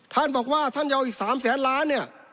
ท่านบอกว่าท่านจะเอาอีก๓๐๐๐๐๐ล้าน